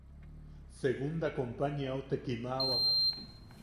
Segunda Companyiau te kimaʼawak.